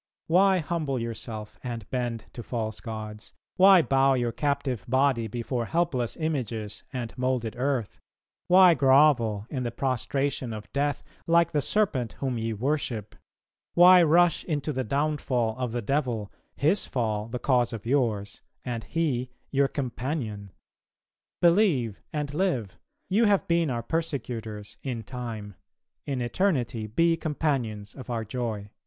... Why humble yourself and bend to false gods? Why bow your captive body before helpless images and moulded earth? Why grovel in the prostration of death, like the serpent whom ye worship? Why rush into the downfall of the devil, his fall the cause of yours, and he your companion? .... Believe and live; you have been our persecutors in time; in eternity, be companions of our joy."